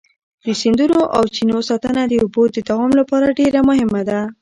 د سیندونو او چینو ساتنه د اوبو د دوام لپاره ډېره مهمه ده.